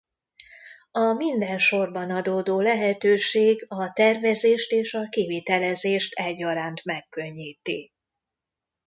A minden sorban adódó lehetőség a tervezést és a kivitelezést egyaránt megkönnyíti.